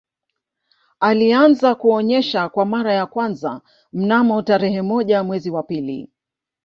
Ilianza kuonesha kwa mara ya kwanza mnamo tarehe moja mwezi wa pili